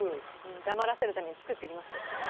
黙らせるために作ってきます。